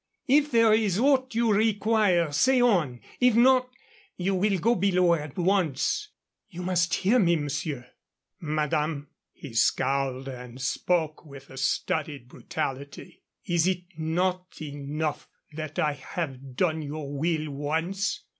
If there is aught you require, say on. If not, you will go below at once." "You must hear me, monsieur." "Madame" he scowled and spoke with a studied brutality "is it not enough that I have done your will once?